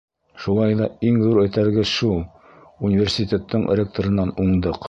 Шулай ҙа иң ҙур этәргес шул: университеттың ректорынан уңдыҡ.